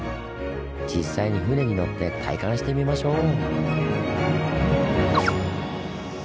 実際に船に乗って体感してみましょう！